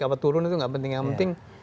apa turun itu tidak penting yang penting